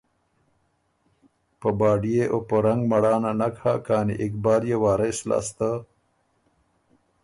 په باډئے او په رنګ مړانه نک هۀ کانی اقبال يې وارث لاسته